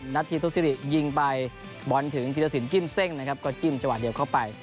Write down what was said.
นัทธีทุศิริยิงไปบอนถึงจิลศิลป์กิ้มเส้งนะครับก็กิ้มจังหวัดเดียวเข้าไป